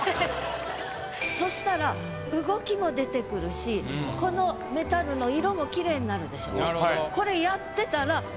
そしたら動きも出てくるしこのメタルの色もきれいになるでしょ？